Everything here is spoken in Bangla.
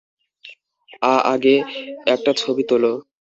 আ-আগে একটা ছবি তোলো!